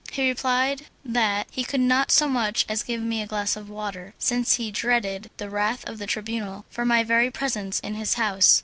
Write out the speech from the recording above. He replied that he could not so much as give me a glass of water, since he dreaded the wrath of the Tribunal for my very presence in his house.